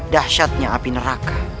dahsyatnya api neraka